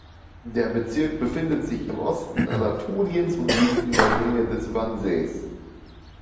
Der Bezirk befindet sich im Osten Anatoliens und liegt in der Nähe des Vansees.